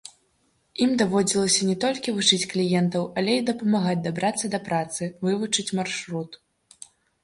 Ім даводзілася не толькі вучыць кліентаў, але і дапамагаць дабрацца да працы, вывучыць маршрут.